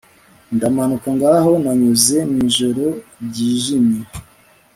Ndamanuka ngaho nanyuze mwijoro ryijimye